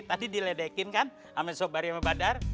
tadi diledekin kan sama sobaryo sama badar